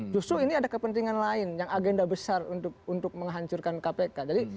justru ini ada kepentingan lain yang agenda besar untuk menghancurkan kpk